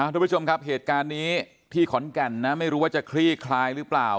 ทุกผู้ชมครับเหตุการณ์นี้ที่ขอนแก่นนะไม่รู้ว่าจะคลี่คลายหรือเปล่า